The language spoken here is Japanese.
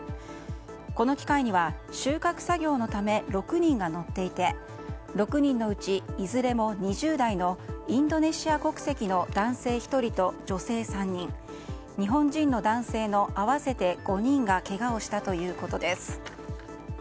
この機械には、収穫作業のため６人が乗っていて６人のうちいずれも２０代のインドネシア国籍の男性１人と女性３人日本人の男性の合わせて５人がけがをしたということです。